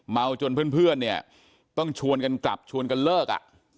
เมาจนเพื่อนต้องชวนกันกลับชวนกันเลิก